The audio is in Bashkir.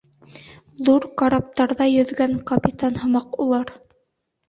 Ҙур караптарҙа йөҙгән капитан һымаҡ улар!